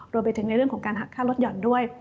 รวมไปถึงในเรื่องของการหักค่ารถห่อนด้วย